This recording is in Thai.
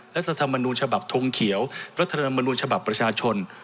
รัฐธรรมนูญฉบับทงเขียวรัฐธรรมนูญฉบับประชาชน